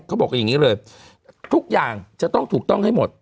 เขาบอกอย่างนี้เลยทุกอย่างจะต้องถูกต้องให้หมด